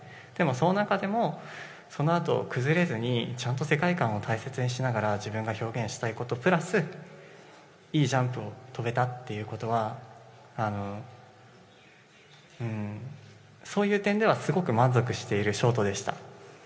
でも、その中でもそのあと崩れずにちゃんと世界観を大切にしながら自分が表現したいことプラス、いいジャンプを跳べたということはそういう点ではすごく満足しているショートでした。